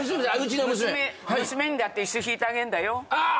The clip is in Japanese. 娘にだって椅子引いてあげんだよ。